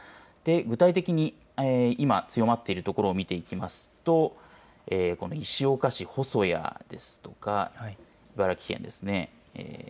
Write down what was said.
具体的に今、強まっているところ見ていきますとこの石岡市細谷ですとか茨城県ですね。